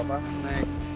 oh ya nek